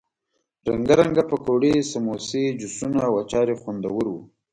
رنګه رنګه پکوړې، سموسې، جوسونه او اچار یې خوندور وو.